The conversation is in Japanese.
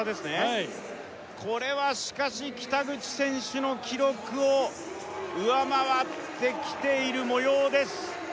はいこれはしかし北口選手の記録を上回ってきているもようです